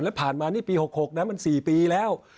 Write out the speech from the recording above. แล้วผ่านมานี่ปี๖๖นะมัน๔ปีแล้ว